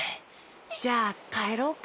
じゃあかえろうか。